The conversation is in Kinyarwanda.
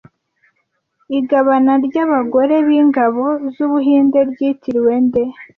Igabana ry'abagore b'ingabo z'Ubuhinde ryitiriwe nde